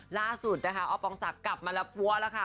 ล่าสุดนะคะออฟปองศักดิ์กลับมาแล้วปั้วแล้วค่ะ